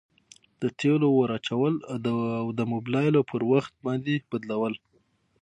د تیلو ور اچول او د مبلایلو پر وخت باندي بدلول.